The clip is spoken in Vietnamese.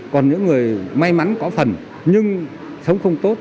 còn những người may mắn có phần nhưng sống không tốt